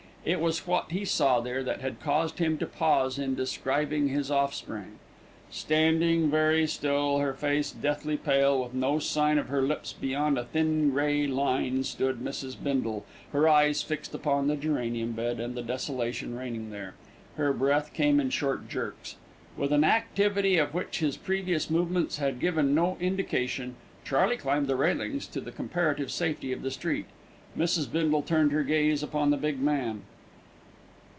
It was what he saw there that had caused him to pause in describing his offspring. Standing very still, her face deathly pale, with no sign of her lips beyond a thin, grey line, stood Mrs. Bindle, her eyes fixed upon the geranium bed and the desolation reigning there. Her breath came in short jerks. With an activity of which his previous movements had given no indication, Charley climbed the railings to the comparative safety of the street. Mrs. Bindle turned her gaze upon the big man.